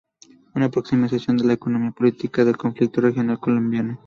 Una aproximación a la economía política del conflicto regional colombiano?